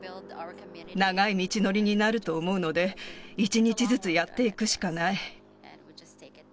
長い道のりになると思うので、一日ずつやっていくしかない。